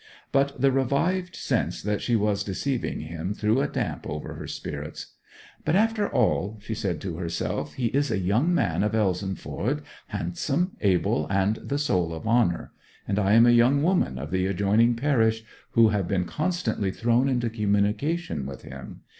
But the revived sense that she was deceiving him threw a damp over her spirits. 'But, after all,' she said to herself, 'he is a young man of Elsenford, handsome, able, and the soul of honour; and I am a young woman of the adjoining parish, who have been constantly thrown into communication with him.